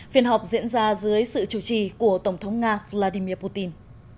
phiên họp diễn ra dưới sự chủ trì của tổng thống nga vladimir putin